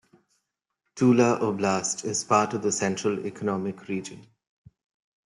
Tula Oblast is part of the Central economic region.